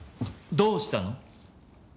どうしたの？